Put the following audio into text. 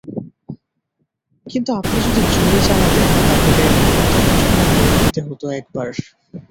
কিন্তু আপনি যদি জোরে চালাতেন, তাহলে মোমেন্টামের জন্যে বল দিতে হত একবার।